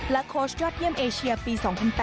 โค้ชยอดเยี่ยมเอเชียปี๒๐๐๘